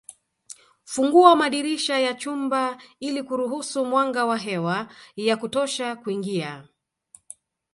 Fungua madirisha ya chumba ili kuruhusu mwanga na hewa ya kutosha kuingia